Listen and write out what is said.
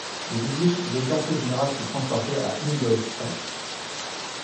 Le dix-huit, le quartier-général fut transporté à Ingolstadt.